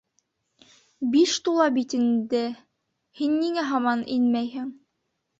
Биш тула бит инде! һин ниңә һаман инмәйһең?